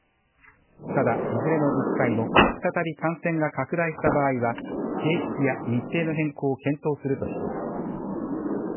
ただ、いずれの自治体も再び感染が拡大した場合は形式や日程の変更を検討するとしています。